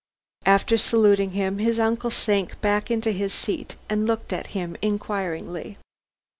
After saluting him, his uncle sank back into his seat and looked at him inquiringly.